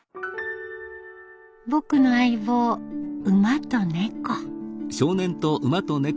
「僕の相棒馬と猫」。